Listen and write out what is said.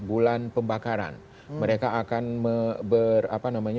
bulan pembakaran mereka akan